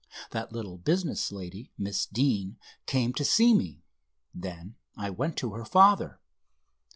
That little business lady, Miss Deane, came to see me. Then I went to her father."